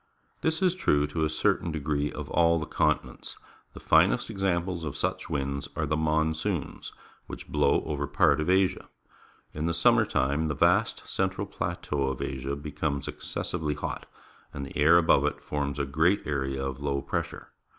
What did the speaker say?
This is true to a certain degree of all the continents. The finest examples of such winds are the Monsoons, which blow over part of Asia. In the summer time the vast central plateau of Asia becomes excessively hot, and the air abo\"e it forms a great area of low pressure.